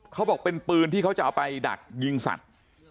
เขาบอกเป็นปืนที่เขาจะเอาไปดักยิงสัตว์